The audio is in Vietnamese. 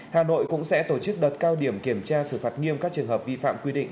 hà nội cũng sẽ tổ chức đợt cao điểm kiểm tra xử phạt nghiêm các trường hợp vi phạm quy định